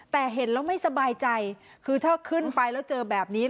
แต่เห็นแล้วไม่สบายใจคือถ้าขึ้นไปแล้วเจอแบบนี้